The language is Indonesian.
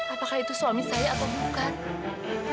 apakah itu suami saya atau bukan